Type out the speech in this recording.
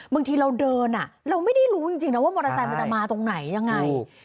บางทีเราเดินเราไม่ได้รู้จริงนะว่ามอเตอร์ไซค์มันจะมาตรงไหนยังไง